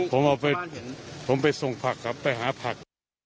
ผมเอาไปผมไปส่งผักครับไปหาผัก